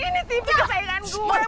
ini tipi kesayangan gue